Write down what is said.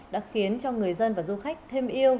đã khiến cho người dân và du khách thêm yêu